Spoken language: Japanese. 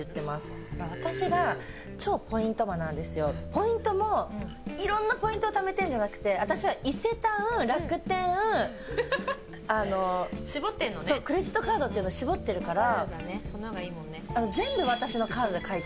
ポイントもいろんなポイントをためてるんじゃなくて私は伊勢丹楽天、クレジットカードって絞ってるから。